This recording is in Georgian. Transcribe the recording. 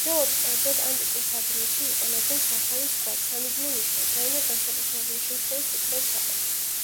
ძველად, კერძოდ ანტიკურ საბერძნეთში, იყენებდნენ საფლავის ქვად, სამიჯნე ნიშნად, რაიმე განსაკუთრებული შემთხვევის უკვდავსაყოფად.